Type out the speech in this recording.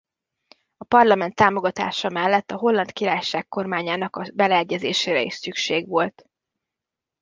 A parlament támogatása mellett a Holland Királyság kormányának a beleegyezésére is szükség volt.